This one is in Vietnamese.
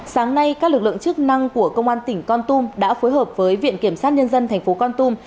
sáng nay các lực lượng chức năng của công an tỉnh con tum đã phối hợp với viện kiểm sát nhân dân thành phố con tum